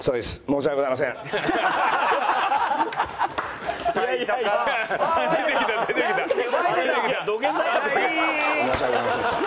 申し訳ございませんでした。